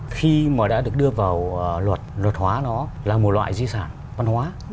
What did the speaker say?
khi mà đã được đưa vào luật luật hóa nó là một loại di sản văn hóa